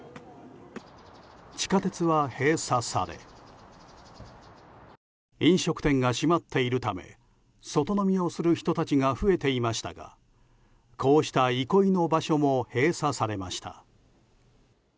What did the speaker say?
地下鉄は閉鎖され飲食店が閉まっているため外飲みをする人たちが増えていましたがこうした憩いの場所も閉鎖されました。